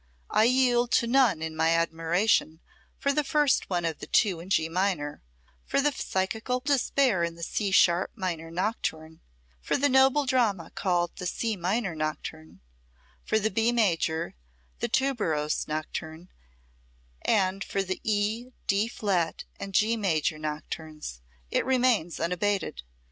I yield to none in my admiration for the first one of the two in G minor, for the psychical despair in the C sharp minor nocturne, for that noble drama called the C minor nocturne, for the B major, the Tuberose nocturne; and for the E, D flat and G major nocturnes, it remains unabated.